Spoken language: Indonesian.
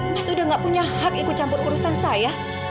mas udah gak punya hak ikut campur urusan saya